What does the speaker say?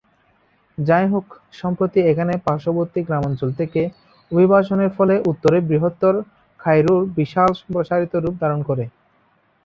যাইহোক, সম্প্রতি এখানে পার্শ্ববর্তী গ্রামাঞ্চল থেকে অভিবাসনের ফলে উত্তরে বৃহত্তর কায়রোর বিশাল সম্প্রসারিত রূপ ধারণ করে।